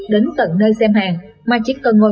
đến tận nơi xem hàng mà chỉ cần ngồi